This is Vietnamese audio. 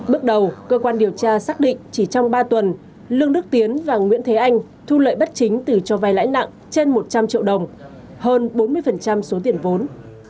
bước đầu cơ quan điều tra xác định chỉ trong ba tuần lương đức tiến và nguyễn thế anh thu lợi bất chính từ cho vay lãi nặng trên một trăm linh triệu đồng hơn bốn mươi số tiền vốn